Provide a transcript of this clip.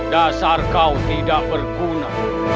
dasar kau tidak berguna